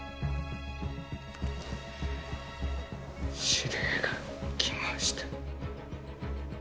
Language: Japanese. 指令が来ました。